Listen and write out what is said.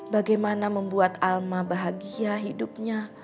bagaimana membuat alma bahagia hidupnya